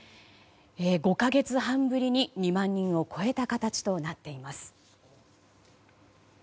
５か月半ぶりに２万人を超えた形となっています。